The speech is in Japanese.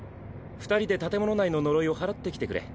二人で建物内の呪いを祓ってきてくれ。